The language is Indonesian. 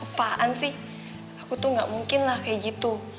lupaan sih aku tuh gak mungkin lah kayak gitu